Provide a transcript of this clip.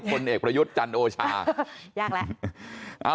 พลเอกประยุทธ์จันทร์โอชา